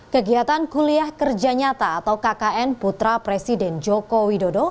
kegiatan kuliah kerja nyata atau kkn putra presiden joko widodo